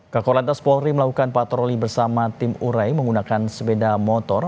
kakolanta spolri melakukan patroli bersama tim urai menggunakan sepeda motor